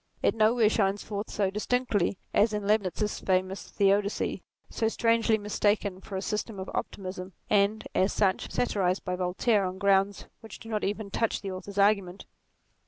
It nowhere shines forth so distinctly as in Leibnitz's famous Theodicee, so strangely mistaken for a system of optimism, and, as such, satirized by Voltaire on grounds which do not even touch the author's argument.